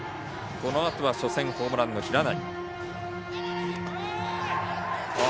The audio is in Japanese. このあとは初戦でホームランの平内。